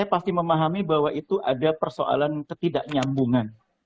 saya pasti memahami bahwa itu ada persoalan ketidaknyambungan